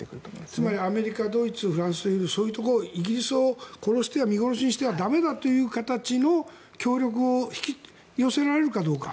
つまりアメリカ、ドイツフランスというイギリスを見殺しにしては駄目だという形の協力を引き寄せられるかどうか。